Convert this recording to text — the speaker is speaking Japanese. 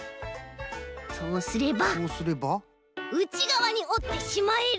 そうすればうちがわにおってしまえる！